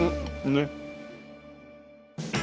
ねっ。